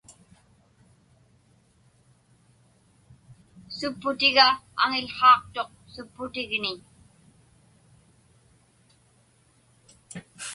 Supputiga aŋiłhaaqtuq supputigniñ.